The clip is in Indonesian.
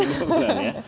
dua bulan ya